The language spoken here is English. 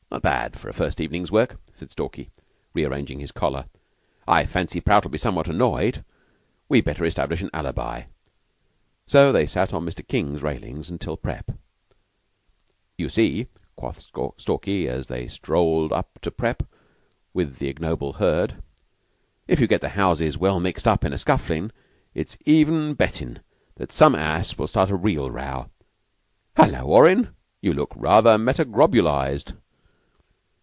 "Not bad for the first evening's work," said Stalky, rearranging his collar. "I fancy Prout'll be somewhat annoyed. We'd better establish an alibi." So they sat on Mr. King's railings till prep. "You see," quoth Stalky, as they strolled up to prep. with the ignoble herd, "if you get the houses well mixed up an' scufflin', it's even bettin' that some ass will start a real row. Hullo, Orrin, you look rather metagrobolized."